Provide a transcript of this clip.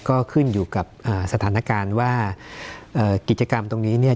ก็ขึ้นอยู่กับสถานการณ์ว่ากิจกรรมตรงนี้เนี่ย